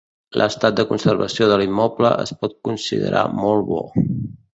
L'estat de conservació de l'immoble es pot considerar molt bo.